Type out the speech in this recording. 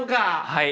はい。